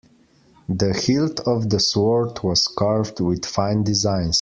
The hilt of the sword was carved with fine designs.